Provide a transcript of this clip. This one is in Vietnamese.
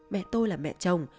mẹ tôi là mẹ chồng